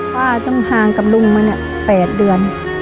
ป้าต้องห่างกับลุงมาเนี่ย๘เดือน